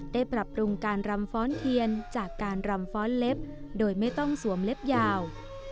ปรับปรุงการรำฟ้อนเทียนจากการรำฟ้อนเล็บโดยไม่ต้องสวมเล็บยาว